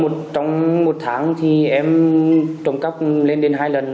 trong một tháng thì em trộm cắp lên đến hai lần